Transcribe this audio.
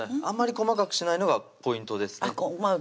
あんまり細かくしないのがポイントですね